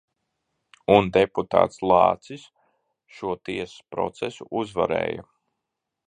Un deputāts Lācis šo tiesas procesu uzvarēja.